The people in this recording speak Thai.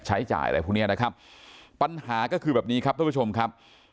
ใช้จ่ายอะไรพวกเนี้ยนะครับปัญหาก็คือแบบนี้ครับท่านผู้ชมครับ